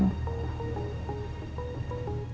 kamu mau denger apa nggak